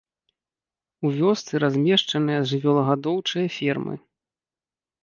У вёсцы размешчаныя жывёлагадоўчыя фермы.